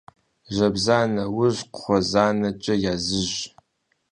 Жэбза нэужь кхъузанэкӀэ языж.